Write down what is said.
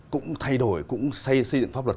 cũng thay đổi cũng xây dựng pháp luật